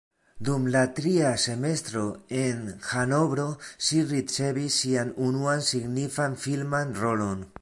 Dum la tria semestro en Hanovro ŝi ricevis sian unuan signifan filman rolon.